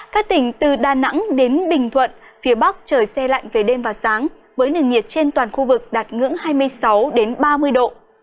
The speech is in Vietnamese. các tỉnh từ đà nẵng đến bình thuận phía bắc trời xe lạnh về đêm và sáng với nền nhiệt trên toàn khu vực đạt ngưỡng hai mươi sáu ba mươi độ